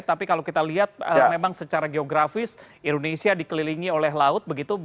tapi kalau kita lihat memang secara geografis indonesia dikelilingi oleh laut begitu